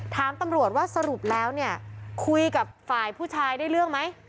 ถามตำรวจว่าสรุปแล้วเนี่ยคุยกับฝ่ายผู้ชายได้เรื่องไหม